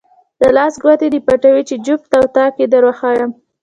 د لاس ګوتې دې پټوې چې جفت او طاق یې دروښایم.